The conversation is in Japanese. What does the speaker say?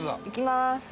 いきます。